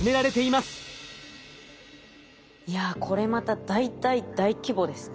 いやこれまた大大大規模ですね。